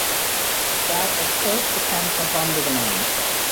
That, of course, depends upon the domain.